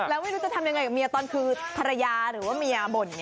แล้วไม่รู้จะทำยังไงกับเมียตอนคือภรรยาหรือว่าเมียบ่น